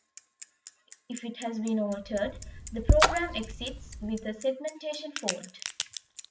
If it has been altered, the program exits with a segmentation fault.